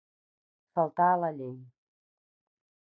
Faltar a la llei.